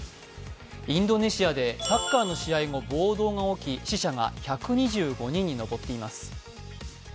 インドネシアでサッカーの試合後に暴動が起き死者が１２５人に上っています。